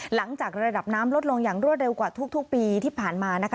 หลังจากระดับน้ำลดลงอย่างรวดเร็วกว่าทุกปีที่ผ่านมานะคะ